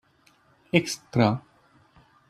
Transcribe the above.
Extra.